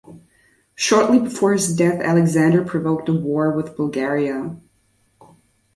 Shortly before his death Alexander provoked a war with Bulgaria.